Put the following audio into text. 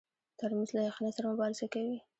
ترموز له یخنۍ سره مبارزه کوي.